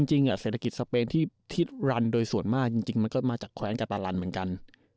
จริงเศรษฐกิจสเปนที่ทิศรันโดยส่วนมากจริงมันก็มาจากแควนกาตารันเหมือนกัน